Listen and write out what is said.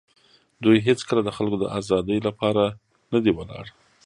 دوی هېڅکله د خلکو د آزادۍ لپاره نه دي ولاړ.